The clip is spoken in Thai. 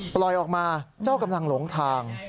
ปล่อยออกมาเจ้ากำลังหลงทาง